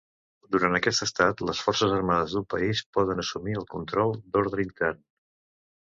Durant aquest estat les forces armades d'un país poden assumir el control d'ordre intern.